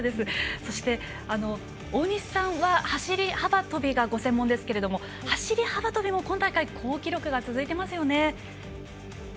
そして大西さんは走り幅跳びがご専門ですけれども走り幅跳びも今大会好記録が続いていますね。